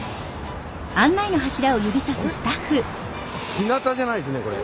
「ひなた」じゃないですねこれ。